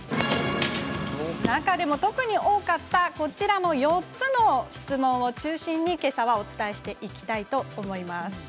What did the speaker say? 中でも特に多かったのはこちら４つの質問を中心にきょうはお伝えしていきたいと思います。